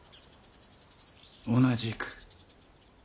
同じく。